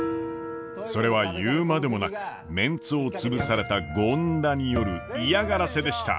それは言うまでもなくメンツを潰された権田による嫌がらせでした。